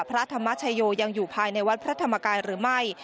พระธรรมชัยโยยังอยู่ภายในวัตถมการ์หรือไม่